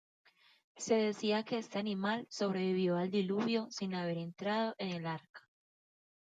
Se decía que este animal sobrevivió al Diluvio sin haber entrado en el Arca.